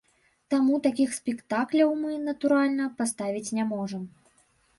Таму такіх спектакляў мы, натуральна, паставіць не можам.